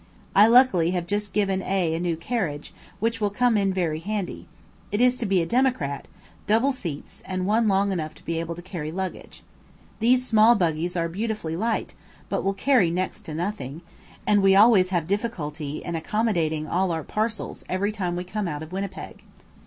I luckily have just given A a new carriage, which will come in very handy. It is to be a "democrat," double seats, and one long enough to be able to carry luggage. These small buggies are beautifully light, but will carry next to nothing; and we always have difficulty in accommodating all our parcels every time we come out of Winnipeg.